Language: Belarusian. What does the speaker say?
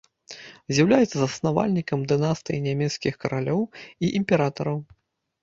З'яўляецца заснавальнікам дынастыі нямецкіх каралёў і імператараў.